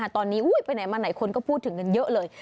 ตอนนี้ไปไหนมาไหนคนก็พูดถึงกันเยอะเลย